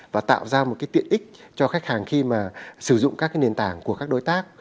và tạo ra một tiện ích cho khách hàng khi sử dụng các nền tảng của các đối tác